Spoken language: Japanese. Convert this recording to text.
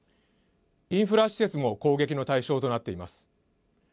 インフラ施設も攻撃の対象となっています。